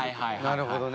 なるほどね。